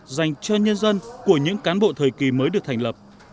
dành cho nhân dân của những cán bộ thời kỳ mới được thành lập